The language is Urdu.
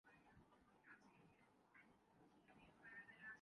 جنرل اشفاق ندیم ریٹائر ہو چکے ہیں۔